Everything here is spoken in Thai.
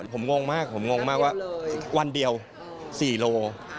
ข้างในหรือเปล่าผมงงมากว่าวันเดียว๔โลกรัม